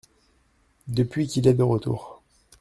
Depuis qu’il est de retour.